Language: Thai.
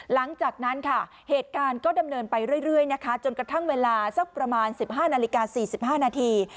หลังจากนั้นค่ะเหตุการณ์ก็ดำเนินไปเรื่อยนะคะจนกระทั่งเวลาสักประมาณ๑๕นาฬิกา๔๕นาที